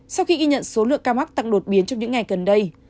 sau khi ghi nhận số lượng ca mắc tăng đột biến trong những ngày gần đây